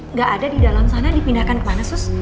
ngga ada di dalam sana dipindahkan kemana sus